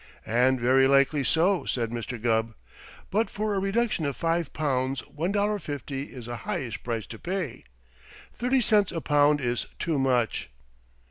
"And very likely so," said Mr. Gubb, "but for a reduction of five pounds one dollar fifty is a highish price to pay. Thirty cents a pound is too much."